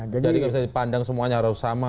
jadi tidak bisa dipandang semuanya harus sama